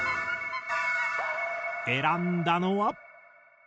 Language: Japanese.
選んだのは。